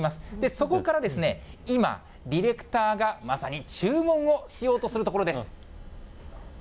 そこから今、ディレクターが、まさに注文をしようとするところです。